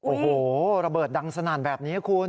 โอ้โหระเบิดดังสนั่นแบบนี้คุณ